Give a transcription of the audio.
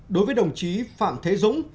đối với đồng chí phạm thế dũng